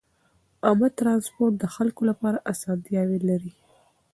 عامه ترانسپورت د خلکو لپاره اسانتیاوې لري.